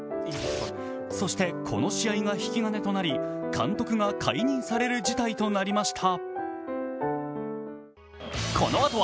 そしてこの試合が引き金となり監督が解任される事態となりました。